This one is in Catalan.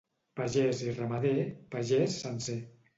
Pagès i ramader, pagès sencer.